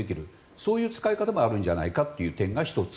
そういう使い方もあるんじゃないかという点が１つ。